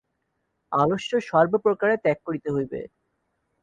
আলস্য সর্বপ্রকারে ত্যাগ করিতে হইবে।